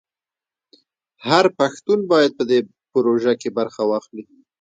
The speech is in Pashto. هر پښتون باید په دې پروژه کې برخه واخلي.